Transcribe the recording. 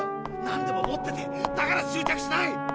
なんでも持っててだから執着しない。